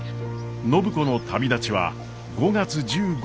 暢子の旅立ちは５月１５日。